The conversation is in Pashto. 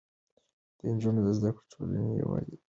د نجونو زده کړه د ټولنې يووالی ټينګ ساتي.